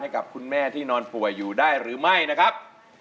ให้กับคุณแม่ที่นอนป่วยอยู่ได้หรือไม่นะครับ